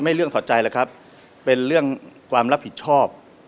เรื่องถอดใจแล้วครับเป็นเรื่องความรับผิดชอบ